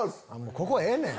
ここええねん。